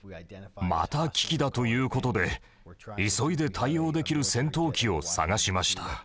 また危機だという事で急いで対応できる戦闘機を探しました。